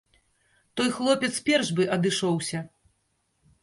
Той хлопец перш быў адышоўся.